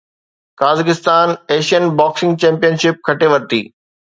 Kazakhstan Asian boxing championship کٽي ورتي